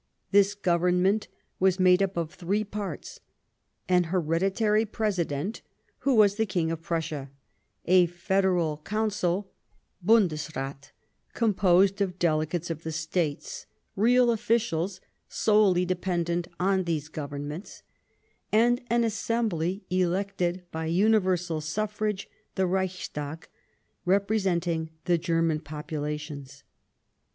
This Government was made up of three parts : an hereditary President, who was the King of Prussia ; a Federal Council — Bundesrath — composed of delegates of the States, real officials solely de pendent on these Governments ; and an Assembly elected by universal suffrage, the Reichstag, repre senting the German populations.